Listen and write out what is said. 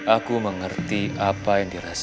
aku mengerti apa yang dirasakan